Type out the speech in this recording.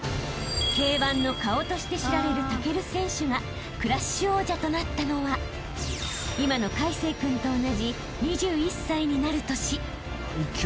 ［Ｋ−１の顔として知られる武尊選手がＫｒｕｓｈ王者となったのは今の魁成君と同じ２１歳になる年］